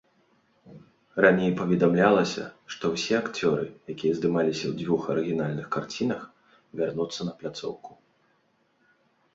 Раней паведамлялася, што ўсе акцёры, якія здымаліся ў дзвюх арыгінальных карцінах, вярнуцца на пляцоўку.